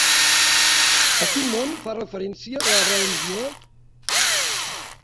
A quin món fa referència la religió?